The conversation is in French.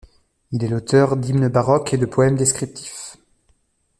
Il est l’auteur d’hymnes baroques et de poèmes descriptifs.